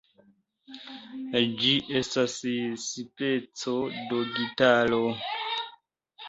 Ĝi estas speco de gitaro.